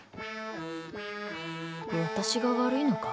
私が悪いのか？